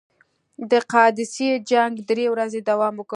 د قادسیې جنګ درې ورځې دوام وکړ.